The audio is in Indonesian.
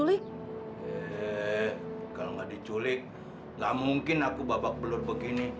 kalau nggak diculik nggak mungkin aku babak belur begini